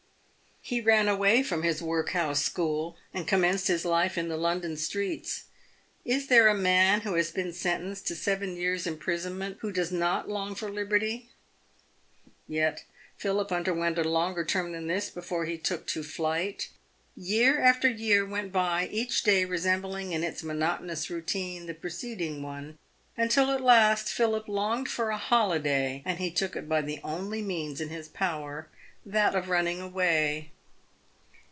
He ran away from his workhouse school, and commenced his life in the London streets. Is there a man who has been sentenced to seven years' imprisonment who does not long for liberty? Yet Philip underwent a longer term than this before he took to flight. Year after year went by, each day resembling in its monotonous routine the preceding one, until at last Philip longed for a holiday, and he took it by the only means in his power — that of running away.